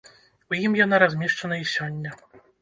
У ім яна размешчана і сёння.